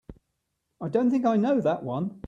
I don't think I know that one.